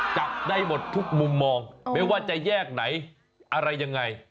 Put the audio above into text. จับได้หมดทุกมุมมองไม่ว่าจะแยกไหนอะไรยังไง